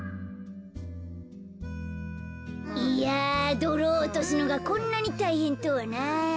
いやどろをおとすのがこんなにたいへんとはな。